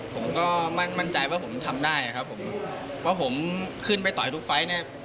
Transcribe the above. ผมก็มั่นใจว่าผมทำได้ครับผมเพราะผมขึ้นไปต่อยทุกไฟล์เนี่ย